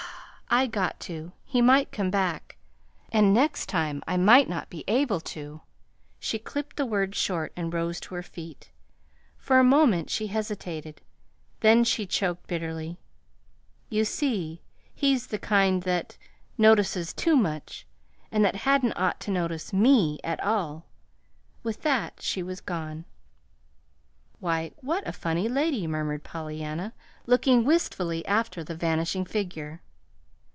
"I got to. He might come back, and next time I might not be able to " She clipped the words short and rose to her feet. For a moment she hesitated, then she choked bitterly: "You see, he's the kind that notices too much, and that hadn't ought to notice ME at all!" With that she was gone. "Why, what a funny lady," murmured Pollyanna, looking wistfully after the vanishing figure.